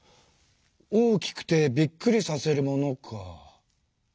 大きくてびっくりさせるものか。